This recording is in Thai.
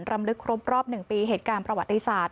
รำลึกครบรอบ๑ปีเหตุการณ์ประวัติศาสตร์